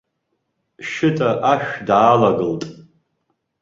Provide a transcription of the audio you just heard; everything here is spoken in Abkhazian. Шьыта ашә даалагылт.